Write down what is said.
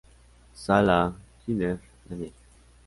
Sala Giner, Daniel.